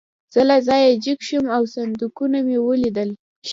زه له ځایه جګ شوم او صندوقونه مې ولیدل